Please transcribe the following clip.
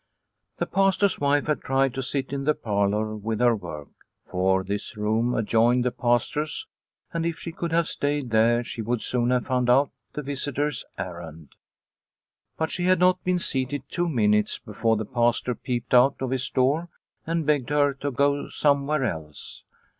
The Pastor's wife had tried to sit in the parlour with her work, for this room adjoined the Pastor's, and if she could have stayed there she would soon have found out the visitors' errand. But she had not been seated two minutes before the Pastor peeped out of his door and begged her to go somewhere else.